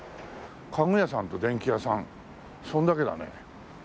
家具屋さんと電器屋さんそれだけだね。